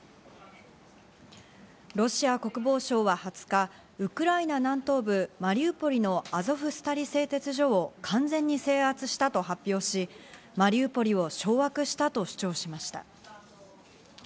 ロシア国防省は２０日、ウクライナ南東部マリウポリのアゾフスタリ製鉄所を完全に制圧したと発表し、マリウポリを掌握したと主張しました。